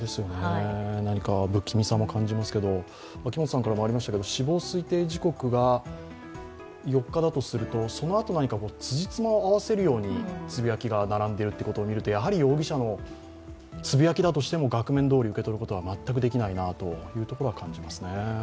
何か不気味さも感じますけれども、秋元さんからもありましたが死亡推定時刻が４日だとすると、そのあと、何かつじつまを合わせるようにつぶやきが並んでいるのを見るとやはり容疑者のつぶやきだとしても額面どおり受け取ることは全くできないなというところは感じますね。